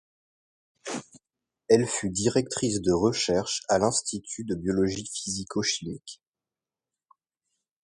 Elle fut directrice de recherches à l'Institut de biologie physico-chimique.